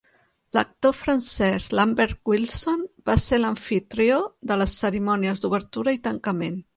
L'actor francès Lambert Wilson va ser l'amfitrió de les cerimònies d'obertura i tancament.